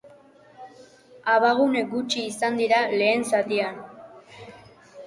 Abagune gutxi izan dira lehen zatian.